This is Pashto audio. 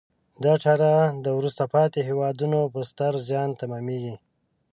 دا چاره د وروسته پاتې هېوادونو په ستر زیان تمامیږي.